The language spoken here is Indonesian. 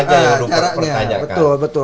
yang lu pertanyakan betul betul